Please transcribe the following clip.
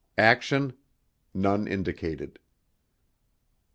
Action: None indicated.